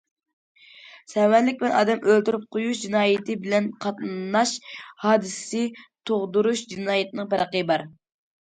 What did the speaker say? سەۋەنلىك بىلەن ئادەم ئۆلتۈرۈپ قويۇش جىنايىتى بىلەن قاتناش ھادىسىسى تۇغدۇرۇش جىنايىتىنىڭ پەرقى بار.